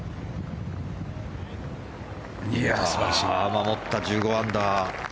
守った、１５アンダー。